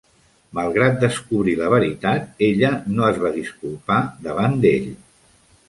Malgrat descobrir la veritat, ella no es va disculpar davant d'ell.